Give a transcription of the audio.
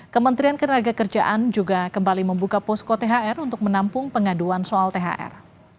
kementerian ketenaga kerjaan juga kembali membuka posko thr untuk menampung pengaduan soal thr